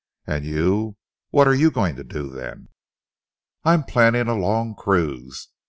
"And you? What are you going to do then?" "I am planning a long cruise.